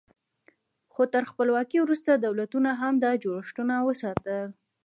خو تر خپلواکۍ وروسته دولتونو هم دا جوړښتونه وساتل.